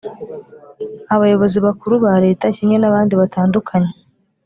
abayobozi bakuru ba Leta kimwe n abandi batandukanye